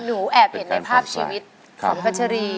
แอบเห็นในภาพชีวิตของพัชรี